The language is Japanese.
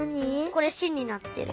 これ「し」になってる。